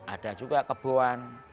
ada juga keboan